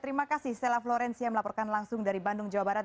terima kasih stella florencia melaporkan langsung dari bandung jawa barat